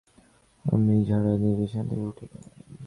আমি ঝাড়া দিয়ে বিছানা থেকে উঠে দাঁড়াই।